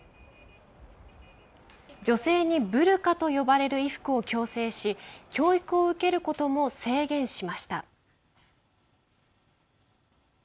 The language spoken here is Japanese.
女性にブルカと呼ばれる衣服を強制し教育を受けることも制限しました。